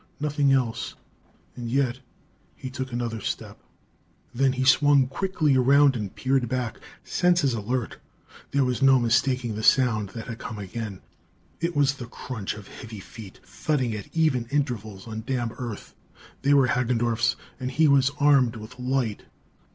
Nothing else. And yet.... He took another step. Then he swung quickly around and peered back, senses alert. There was no mistaking the sound that had come again. It was the crunch of heavy feet, thudding at even intervals on damp earth. They were Hagendorff's; and he was armed with light!